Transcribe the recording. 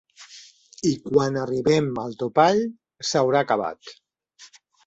I quan arribem al topall s’haurà acabat.